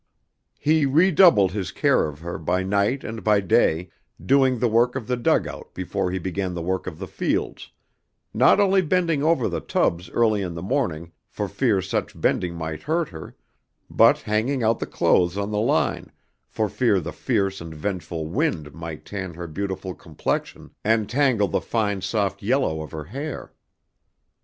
He redoubled his care of her by night and by day, doing the work of the dugout before he began the work of the fields, not only bending over the tubs early in the morning for fear such bending might hurt her, but hanging out the clothes on the line for fear the fierce and vengeful wind might tan her beautiful complexion and tangle the fine soft yellow of her hair.